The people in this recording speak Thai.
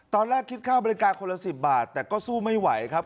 ตอนแรกคิดค่าบริการคนละ๑๐บาทแต่ก็สู้ไม่ไหวครับ